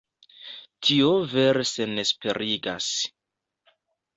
Tio vere senesperigas.